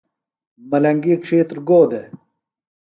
ملنگی ڇِھیتر گو دےۡ؟